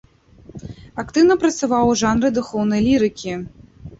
Актыўна працаваў у жанры духоўнай лірыкі.